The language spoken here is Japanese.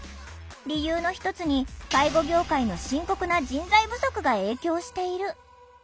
理由の一つに介護業界の深刻な人材不足が影響している。